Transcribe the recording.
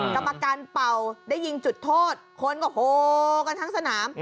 กรรมการเป่าได้ยิงจุดโทษคนก็โฮกันทั้งสนาม